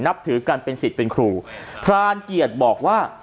นับถือกันเป็นสิทธิ์เป็นครูพรานเกียรติบอกว่า